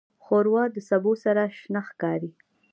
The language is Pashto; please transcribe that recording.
ښوروا د سبو سره شنه ښکاري.